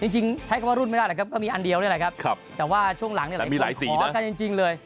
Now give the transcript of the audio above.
จริงใช้คำว่ารุ่นไม่ได้นะครับก็มีอันเดียวนี่แหละครับแต่ว่าช่วงหลังหลายคนขอกันจริงเลย